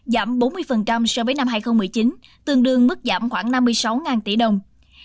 giảm bốn mươi so với năm hai nghìn một mươi chín tương đương mức giảm khoảng năm mươi sáu tỷ đồng